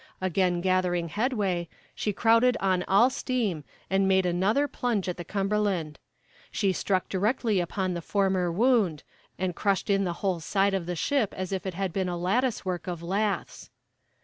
Again gathering headway, she crowded on all steam and made another plunge at the Cumberland. She struck directly upon the former wound, and crushed in the whole side of the ship as if it had been a lattice work of laths.